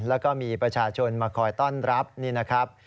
แล้วก็มีประชาชนมาคอยต้อนรับนี่นะครับ